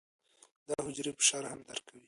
دا حجرې فشار هم درک کوي.